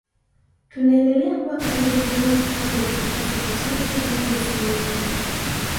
Tunaendelea kuwa karibu nanyi kama ilivyokuwa siku zote ninyi ni sehemu yetu